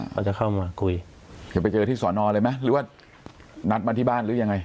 เขาจะเข้ามาคุยจะไปเจอที่สอนอเลยไหมหรือว่านัดมาที่บ้านหรือยังไง